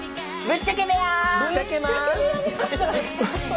ぶっちゃけます！